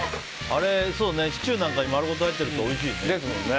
あれ、シチューなんかに丸ごと入ってるとおいしいよね。